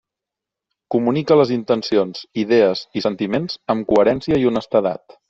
Comunica les intencions, idees i sentiments amb coherència i honestedat.